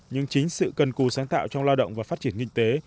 nhưng chính sự cần cù sáng tạo trong lao động và phát triển kinh tế